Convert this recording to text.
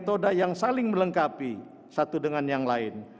tapi satu dengan yang lain